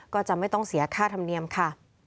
ก็จะไม่ต้องเสียค่าธรรมเนียมค่ะ